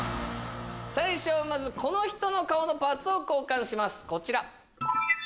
最初はこの人の顔のパーツを交換しますこちら。